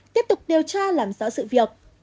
tiếp tục điều tra làm rõ sự việc